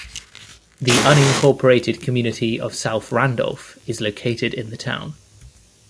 The unincorporated community of South Randolph is located in the town.